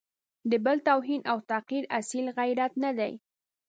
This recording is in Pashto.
د بل توهین او تحقیر اصیل غیرت نه دی.